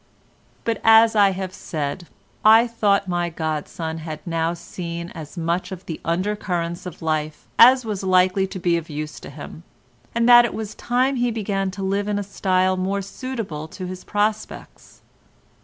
But, as I have said, I thought my godson had now seen as much of the under currents of life as was likely to be of use to him, and that it was time he began to live in a style more suitable to his prospects.